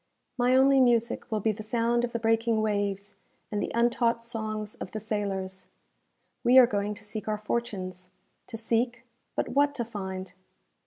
My only music will be the sound of the breaking waves, and the untaught songs of the sailors. We are going to seek our fortunes to seek, but what to find?